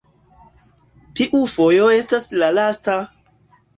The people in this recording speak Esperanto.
tiu fojo estas la lasta!